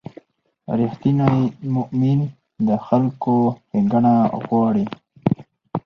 رښتینی مؤمن د خلکو ښېګڼه غواړي.